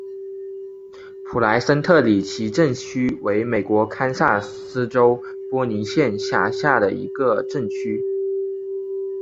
普莱森特里奇镇区为美国堪萨斯州波尼县辖下的镇区。